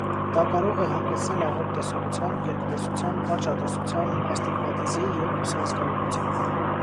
Դա կարող է հանգեցնել աղոտ տեսողության, երկտեսության, կարճատեսության, աստիգմատիզի և լուսազգայունության։